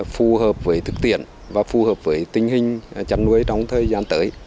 phù hợp với thức tiện và phù hợp với tình hình chăn nuôi trong thời gian tới